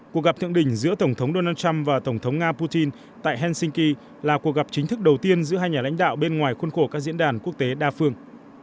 cuộc gặp thượng đỉnh giữa tổng thống donald trump và tổng thống nga putin tại helsinki là cuộc gặp chính thức đầu tiên giữa hai nhà lãnh đạo bên ngoài khuôn khổ các diễn đàn quốc tế đa phương